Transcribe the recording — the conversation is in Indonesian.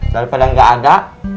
daripada gak ada